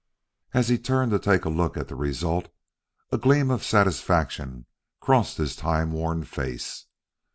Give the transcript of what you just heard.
As he turned to take a look at the result, a gleam of satisfaction crossed his time worn face.